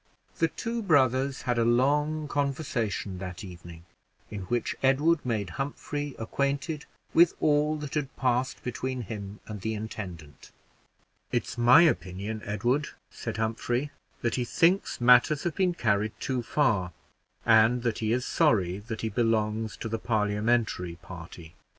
The two brothers had a long conversation that evening, in which Edward made Humphrey acquainted with all that had passed between him and the intendant. "It's my opinion, Edward," said Humphrey, "that he thinks matters have been carried too far, and that he is sorry that he belongs to the Parliamentary party.